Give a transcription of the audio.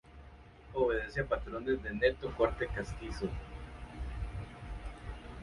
Obedece a patrones de neto corte castizo.